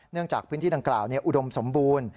จากพื้นที่ดังกล่าวอุดมสมบูรณ์